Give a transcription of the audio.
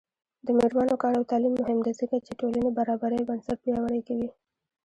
د میرمنو کار او تعلیم مهم دی ځکه چې ټولنې برابرۍ بنسټ پیاوړی کوي.